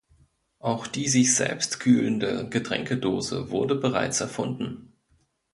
Auch die sich selbst kühlende Getränkedose wurde bereits erfunden.